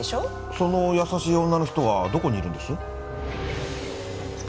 その優しい女の人はどこにいるんです？